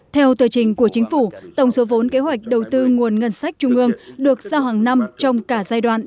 theo tờ trình của chính phủ tổng số vốn kế hoạch đầu tư nguồn ngân sách trung ương được giao hàng năm trong cả giai đoạn